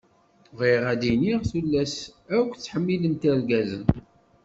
Bɣiɣ ad d-iniɣ tullas akk ttḥemmilent irgazen.